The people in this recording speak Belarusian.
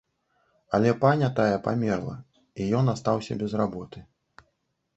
Але паня тая памерла, і ён астаўся без работы.